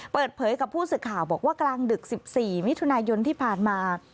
เปิดเผยกับผู้สื่อข่าวบอกว่ากลางดึก๑๔มิถุนายนที่ผ่านมา